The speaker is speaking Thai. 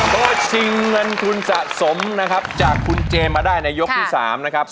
ก็ชิงเงินทุนสะสมนะครับจากคุณเจมสมาได้ในยกที่๓นะครับ